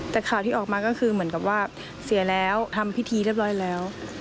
แต่ข่าวที่ออกมาก็คือเหมือนกับว่าเสียแล้วทำพิธีเรียบร้อยแล้ว